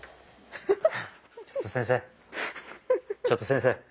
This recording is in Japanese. ちょっと先生。